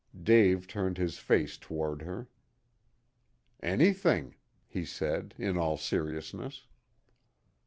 Dave turned his face toward her. "Anything," he said, in all seriousness.